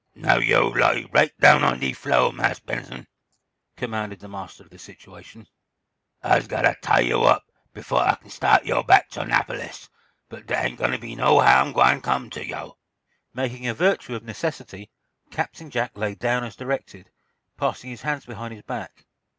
"Now, yo' lie right down on de flo', Marse Benson," commanded the master of the situation. "Ah's gotter tie yo' up, befo' Ah can staht yo' back ter 'Napolis, but dere ain' no hahm gwine come ter yo'." Making a virtue of necessity, Captain Jack lay down as directed, passing his hands behind his back.